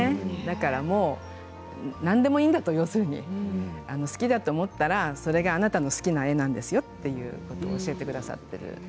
とにかく何でもいいんだと好きだと思ったらそれがあなたの好きな絵なんですよということを教えてくださってる。